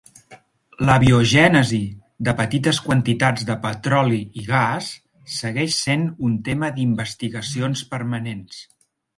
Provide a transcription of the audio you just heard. L"abiogènesi de petites quantitats de petroli i gas segueix sent un tema d"investigacions permanents.